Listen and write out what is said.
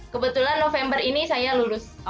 kebetulan november ini saya lulus